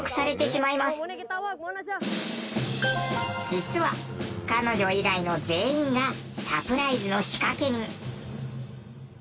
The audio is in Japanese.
実は彼女以外の全員がサプライズの仕掛け人。